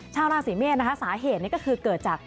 ชาวราศีเมษนะคะสาเหตุนี้ก็คือเกิดจาก